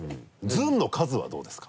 「ずんのかず」はどうですか？